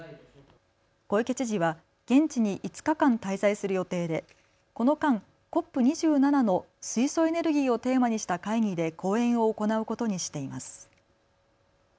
小池知事は現地に５日間滞在する予定でこの間、ＣＯＰ２７の水素エネルギーをテーマにした会議で講演を行うことにしています。